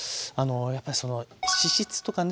やっぱり脂質とかね